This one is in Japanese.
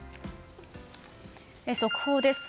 速報です。